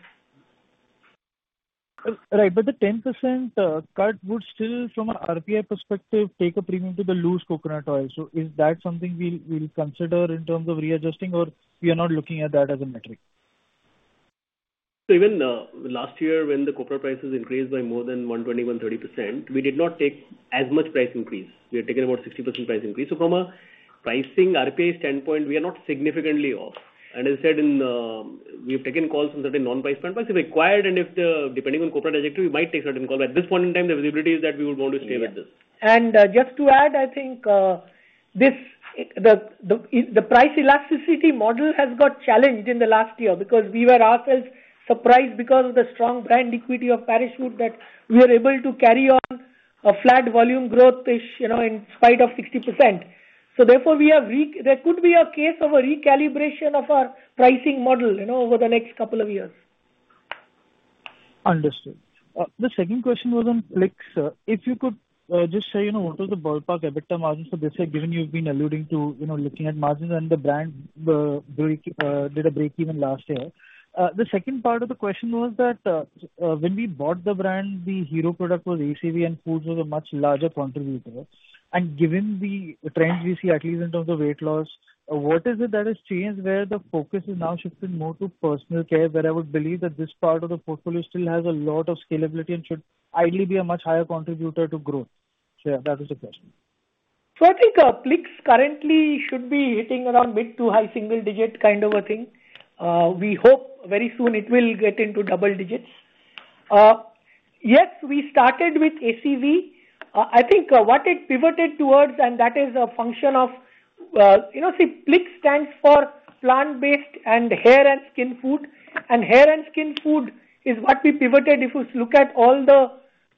Right. The 10% cut would still, from an RPI perspective, take a premium to the loose coconut oil. Is that something we'll consider in terms of readjusting or we are not looking at that as a metric? Even last year when the copra prices increased by more than 120%-130%, we did not take as much price increase. We had taken about 60% price increase. From a pricing RPI standpoint, we are not significantly off. As I said, we've taken calls on certain non-price points. If required and if, depending on copra trajectory, we might take certain calls. At this point in time, the visibility is that we would want to stay with this. Yeah. Just to add, I think, this, the price elasticity model has got challenged in the last year because we were ourselves surprised because of the strong brand equity of Parachute that we were able to carry on a flat volume growth-ish, you know, in spite of 60%. Therefore, there could be a case of a recalibration of our pricing model, you know, over the next couple of years. Understood. The second question was on Plix. If you could, just say, you know, what was the ballpark EBITDA margin for this year, given you've been alluding to, you know, looking at margins and the brand, did a break even last year. The second part of the question was that, when we bought the brand, the hero product was ACV and foods was a much larger contributor. Given the trends we see, at least in terms of weight loss, what is it that has changed where the focus is now shifting more to personal care, where I would believe that this part of the portfolio still has a lot of scalability and should ideally be a much higher contributor to growth? Yeah, that is the question. I think Plix currently should be hitting around mid to high single digit kind of a thing. We hope very soon it will get into double digits. Yes, we started with ACV. I think what it pivoted towards, and that is a function of, you know, see, Plix stands for plant-based and hair and skin food. Hair and skin food is what we pivoted. If you look at all the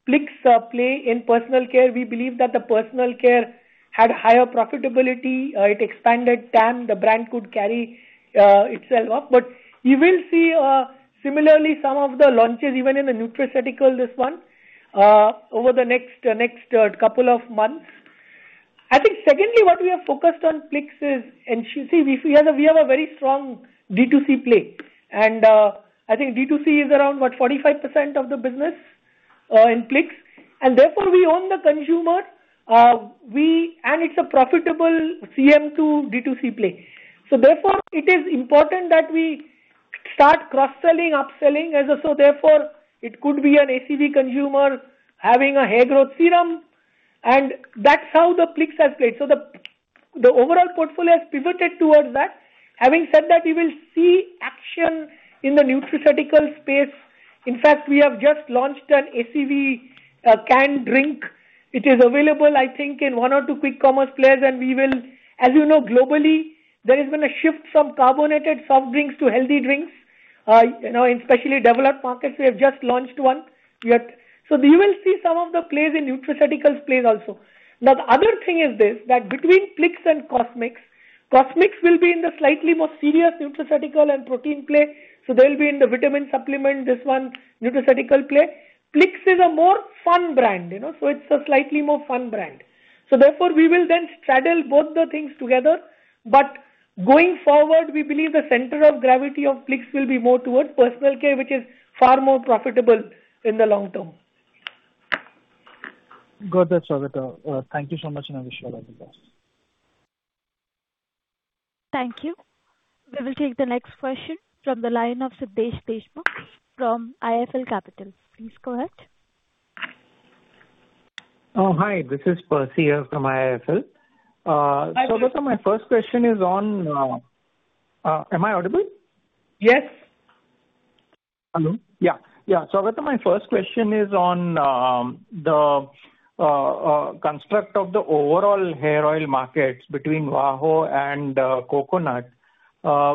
Plix play in personal care, we believe that the personal care had higher profitability. It expanded TAM, the brand could carry itself up. You will see similarly some of the launches, even in the nutraceutical, this one, over the next couple of months. I think secondly, what we have focused on Plix is, we have a very strong D2C play. I think D2C is around, what, 45% of the business in Plix. Therefore we own the consumer. It's a profitable CM to D2C play. Therefore it is important that we start cross-selling, upselling. Therefore it could be an ACV consumer having a hair growth serum, and that's how the Plix has played. The overall portfolio has pivoted towards that. Having said that, we will see action in the nutraceutical space. In fact, we have just launched an ACV canned drink. It is available, I think, in one or two quick commerce players. As you know, globally there is going to shift some carbonated soft drinks to healthy drinks. You know, in especially developed markets, we have just launched one. You will see some of the plays in nutraceuticals plays also. The other thing is this, that between Plix and Cosmix will be in the slightly more serious nutraceutical and protein play, so they'll be in the vitamin supplement, this one, nutraceutical play. Plix is a more fun brand, you know, it's a slightly more fun brand. Therefore we will then straddle both the things together. Going forward, we believe the center of gravity of Plix will be more towards personal care, which is far more profitable in the long term. Got that, Saugata. Thank you so much, and I wish you all the best. Thank you. We will take the next question from the line of Siddhesh Deshmukh from IIFL Capital. Please go ahead. Oh, hi, this is Percy here from IIFL. Hi. Saugata, am I audible? Yes. Saugata, my first question is on the construct of the overall hair oil markets between VAHO and Coconut.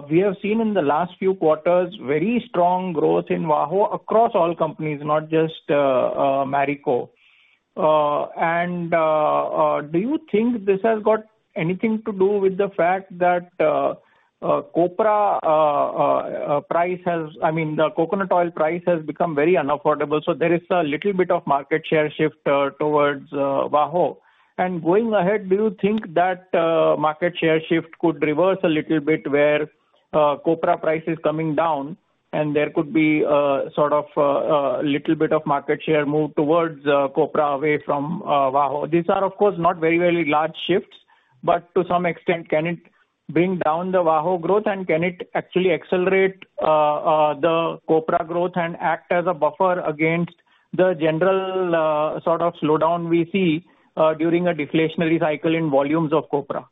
We have seen in the last few quarters very strong growth in VAHO across all companies, not just Marico. Do you think this has got anything to do with the fact that copra price has, I mean, the coconut oil price has become very unaffordable, so there is a little bit of market share shift towards VAHO? Going ahead, do you think that market share shift could reverse a little bit where copra price is coming down and there could be sort of a little bit of market share move towards copra away from VAHO? These are, of course, not very, very large shifts, but to some extent, can it bring down the VAHO growth and can it actually accelerate the copra growth and act as a buffer against the general sort of slowdown we see during a deflationary cycle in volumes of copra?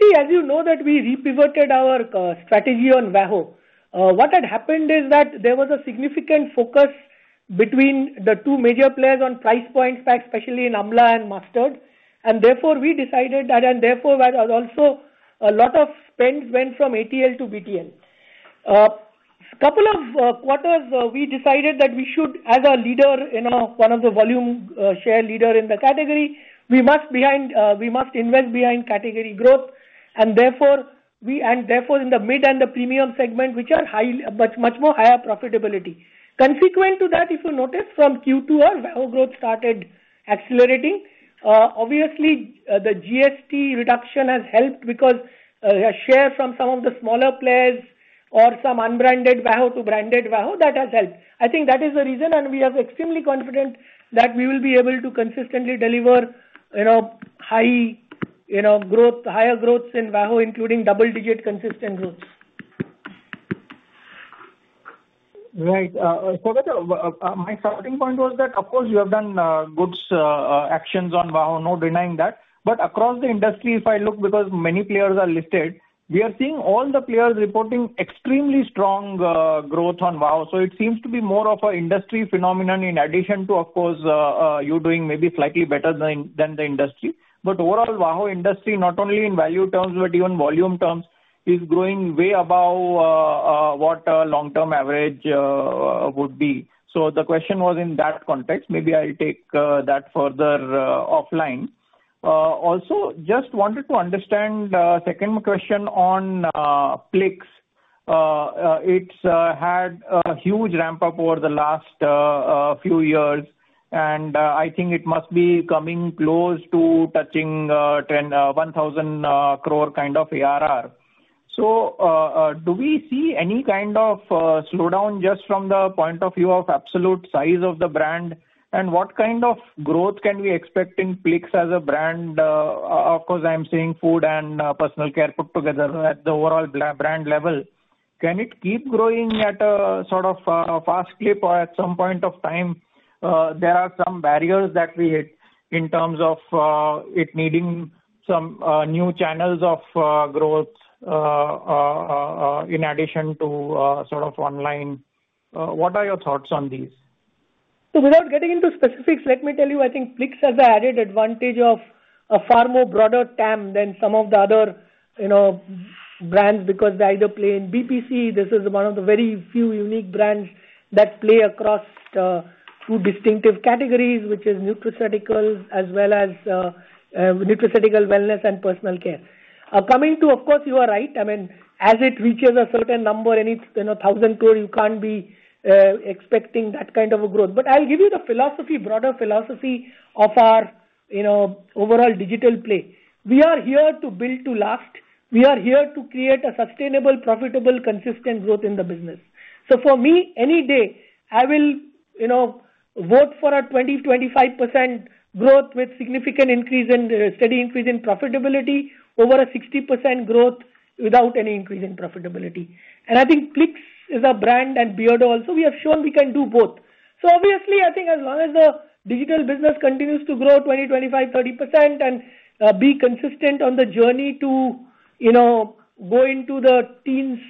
See, as you know that we repivoted our strategy on VAHO What had happened is that there was a significant focus between the two major players on price points, especially in amla and mustard. Therefore we decided that, and therefore where, also a lot of spends went from ATL to BTL. Couple of quarters, we decided that we should, as a leader in a one of the volume share leader in the category, we must invest behind category growth. Therefore in the mid and the premium segment, which are much more higher profitability. Consequent to that, if you notice from Q2 on, VAHO growth started accelerating. Obviously, the GST reduction has helped because a share from some of the smaller players or some unbranded VAHO to branded VAHO. That has helped. I think that is the reason, and we are extremely confident that we will be able to consistently deliver, you know, high, you know, growth, higher growths in VAHO, including double-digit consistent growths. Right. Saugata, my starting point was that, of course, you have done good actions on VAHO, no denying that. Across the industry, if I look, because many players are listed, we are seeing all the players reporting extremely strong growth on VAHO It seems to be more of a industry phenomenon in addition to, of course, you doing maybe slightly better than the industry. Overall, Wah! Wah! industry, not only in value terms but even volume terms, is growing way above what a long-term average would be. The question was in that context. Maybe I'll take that further offline. Also just wanted to understand second question on Plix. It's had a huge ramp up over the last few years, and I think it must be coming close to touching 10,000 crore kind of ARR. Do we see any kind of slowdown just from the point of view of absolute size of the brand? What kind of growth can we expect in Plix as a brand? Of course, I'm seeing food and personal care put together at the overall brand level. Can it keep growing at a sort of fast clip or at some point of time, there are some barriers that we hit in terms of it needing some new channels of growth in addition to sort of online. What are your thoughts on these? Without getting into specifics, let me tell you, I think Plix has the added advantage of a far more broader TAM than some of the other, you know, brands, because they either play in BPC. This is one of the very few unique brands that play across two distinctive categories, which is nutraceutical as well as nutraceutical wellness and personal care. Of course, you are right. I mean, as it reaches a certain number, and it's, you know, 1,000 crore, you can't be expecting that kind of a growth. I'll give you the philosophy, broader philosophy of our, you know, overall digital play. We are here to build to last. We are here to create a sustainable, profitable, consistent growth in the business. For me, any day, I will, you know, vote for a 20%-25% growth with significant increase in steady increase in profitability over a 60% growth without any increase in profitability. I think Plix is a brand, and Beardo also, we have shown we can do both. Obviously, I think as long as the digital business continues to grow 20%, 25%, 30% and be consistent on the journey to, you know, go into the teens,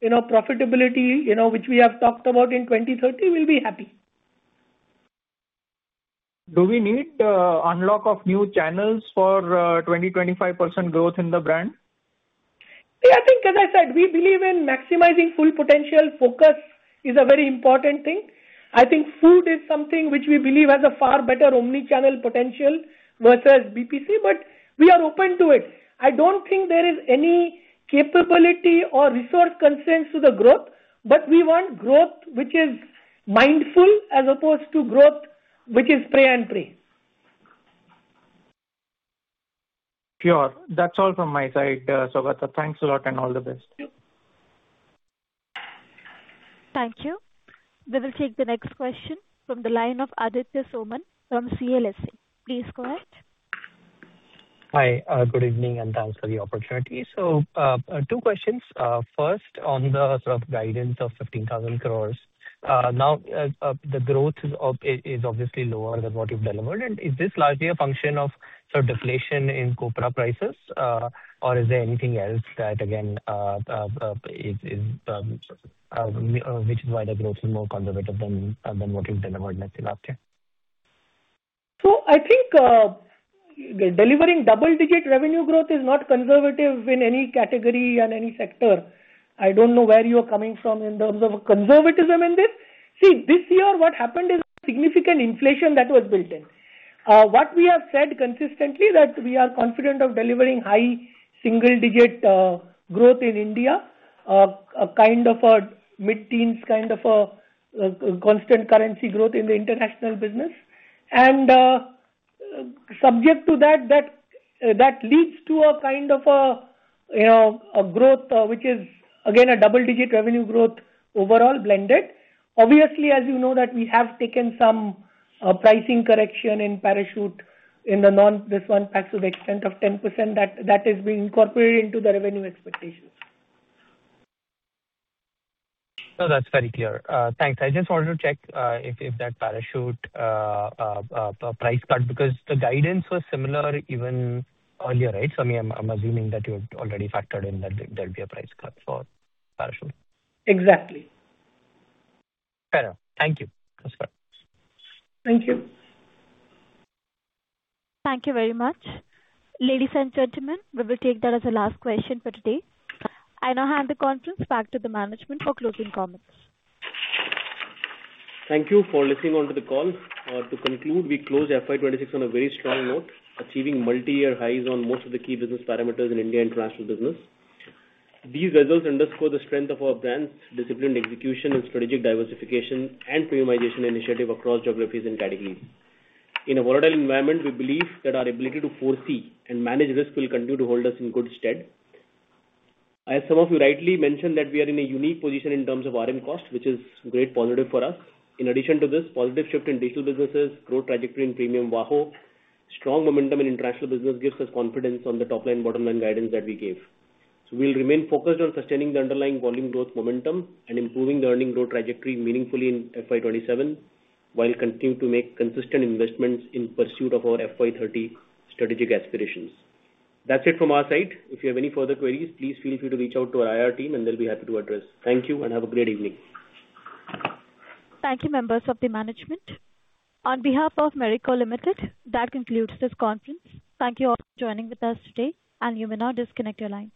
you know, profitability, you know, which we have talked about in 2030, we'll be happy. Do we need unlock of new channels for 20%-25% growth in the brand? Yeah, I think, as I said, we believe in maximizing full potential. Focus is a very important thing. I think food is something which we believe has a far better omni-channel potential versus BPC, but we are open to it. I don't think there is any capability or resource constraints to the growth, but we want growth which is mindful as opposed to growth, which is pray and pray. Sure. That's all from my side, Saugata. Thanks a lot and all the best. Thank you. Thank you. We will take the next question from the line of Aditya Soman from CLSA. Please go ahead. Hi. good evening, and thanks for the opportunity. Two questions. First, on the sort of guidance of 15,000 crore. Now, the growth is obviously lower than what you've delivered. Is this largely a function of sort of deflation in copra prices, or is there anything else that, again, which is why the growth is more conservative than what you've delivered, let's say, last year? I think, delivering double-digit revenue growth is not conservative in any category and any sector. I don't know where you're coming from in terms of conservatism in this. This year, what happened is significant inflation that was built in. What we have said consistently, that we are confident of delivering high single digit growth in India. A kind of a mid-teens kind of a constant currency growth in the international business. Subject to that leads to a kind of a, you know, a growth which is again a double-digit revenue growth overall blended. Obviously, as you know that we have taken some pricing correction in Parachute in the non-discretionary passive extent of 10% that is being incorporated into the revenue expectations. That's very clear. Thanks. I just wanted to check if that Parachute price cut, because the guidance was similar even earlier, right? I mean, I'm assuming that you had already factored in that there'll be a price cut for Parachute. Exactly. Fair enough. Thank you. That's fine. Thank you. Thank you very much. Ladies and gentlemen, we will take that as the last question for today. I now hand the conference back to the management for closing comments. Thank you for listening onto the call. To conclude, we closed FY 2026 on a very strong note, achieving multi-year highs on most of the key business parameters in India international business. These results underscore the strength of our brands, disciplined execution and strategic diversification and premiumization initiative across geographies and categories. In a volatile environment, we believe that our ability to foresee and manage risk will continue to hold us in good stead. As some of you rightly mentioned, that we are in a unique position in terms of RM cost, which is great positive for us. In addition to this, positive shift in digital businesses, growth trajectory in premium VAHO, strong momentum in international business gives us confidence on the top line, bottom line guidance that we gave. We'll remain focused on sustaining the underlying volume growth momentum and improving the earning growth trajectory meaningfully in FY 2027, while continue to make consistent investments in pursuit of our FY 2030 strategic aspirations. That's it from our side. If you have any further queries, please feel free to reach out to our IR team, and they'll be happy to address. Thank you and have a great evening. Thank you, members of the management. On behalf of Marico Limited, that concludes this conference. Thank you all for joining with us today, and you may now disconnect your lines.